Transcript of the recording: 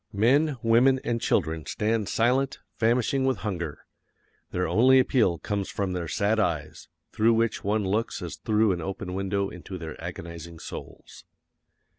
Men, women, and children stand silent, famishing with hunger. Their only appeal comes from their sad eyes, through which one looks as through an open window into their agonizing souls.